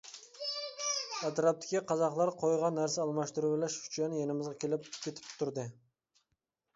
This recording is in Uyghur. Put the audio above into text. ئەتراپتىكى قازاقلار قويغا نەرسە ئالماشتۇرۇۋېلىش ئۈچۈن يېنىمىزغا كېلىپ-كېتىپ تۇردى.